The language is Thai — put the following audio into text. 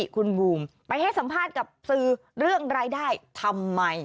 คุณบูมไปให้สัมภาษณ์กับสื่อเรื่องรายได้ทำไม